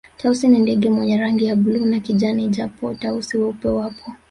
Tausi ni ndege mwenye rangi ya bluu na kijani japo Tausi weupe wapo